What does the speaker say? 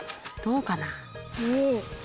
どうかな？